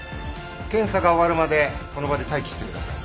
検査が終わるまでこの場で待機してください。